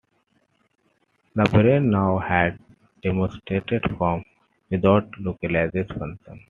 The brain now had demonstrated form, without localised function.